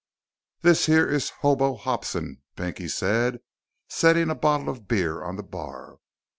"This here is Hobo Hobson," Pinky said, setting a bottle of beer on the bar.